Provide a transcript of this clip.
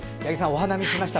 お花見しました？